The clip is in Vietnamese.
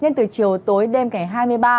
nhưng từ chiều tối đêm ngày hai mươi ba